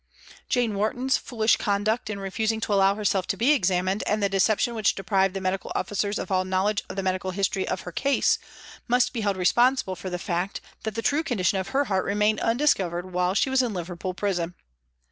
' Jane Warton's ' foolish con duct in refusing to allow herself to be examined and the deception which deprived the medical officers of all knowledge of the medical history of her case, must be held responsible for the fact that the true condition of her heart remained undiscovered while she was in Liverpool Prison.